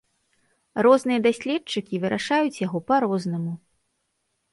Розныя даследчыкі вырашаюць яго па-рознаму.